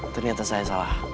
ternyata saya salah